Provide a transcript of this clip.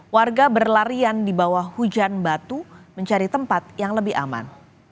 warga berlarian di bawah hujan batu mencari tempat yang lebih aman